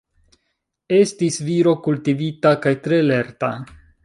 Estis viro kultivita kaj tre lerta.